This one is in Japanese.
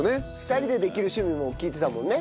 ２人でできる趣味も聞いてたもんね。